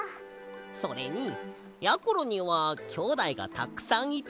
それにやころにはきょうだいがたくさんいてたのしそうだよな！